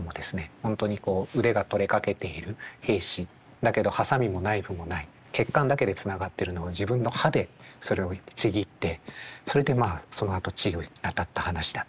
本当にこう腕が取れかけている兵士だけどハサミもナイフもない血管だけでつながってるのを自分の歯でそれをちぎってそれでまあそのあと治療に当たった話だったり。